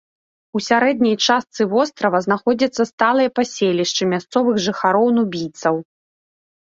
У сярэдняй частцы вострава знаходзяцца сталыя паселішчы мясцовых жыхароў-нубійцаў.